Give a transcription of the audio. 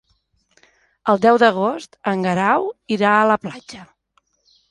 El deu d'agost en Guerau irà a la platja.